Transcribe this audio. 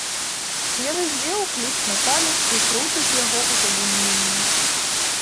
Ён уздзеў ключ на палец і круціць яго ў задуменні.